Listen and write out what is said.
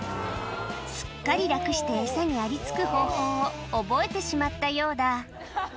すっかり楽して餌にありつく方法を覚えてしまったようだ。